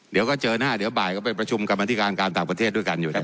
เดี๋ยวก็เจอหน้าเดี๋ยวบ่ายก็ไปประชุมกรรมธิการการต่างประเทศด้วยกันอยู่นะครับ